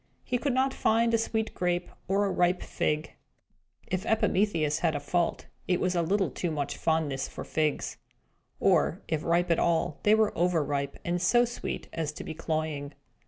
He could not find a sweet grape or a ripe fig (if Epimetheus had a fault, it was a little too much fondness for figs); or, if ripe at all, they were overripe, and so sweet as to be cloying.